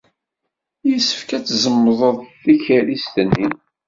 Yessefk ad tzemḍem tikerrist-nni.